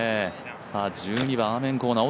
１２番アーメンコーナー。